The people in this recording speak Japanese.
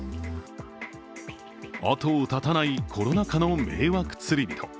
後を絶たないコロナ禍の迷惑釣り人。